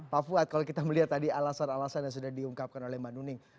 pak fuad kalau kita melihat tadi alasan alasan yang sudah diungkapkan oleh mbak nuning